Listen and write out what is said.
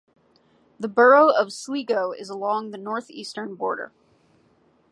The borough of Sligo is along the northeastern border.